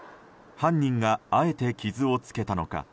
犯人があえて傷をつけたのか。